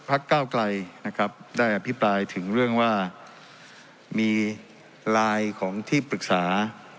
ก้าวไกลนะครับได้อภิปรายถึงเรื่องว่ามีไลน์ของที่ปรึกษา